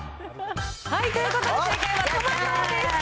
ということで、正解はトマトでした。